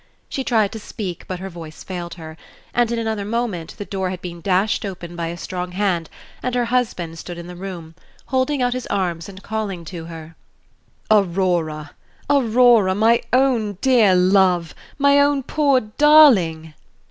She tried to speak, but her voice failed her; and in another moment the door had been dashed open by a strong hand, and her husband stood in the room, holding out his arms and calling to her: "Aurora! Aurora! my own dear love, my own poor darling!"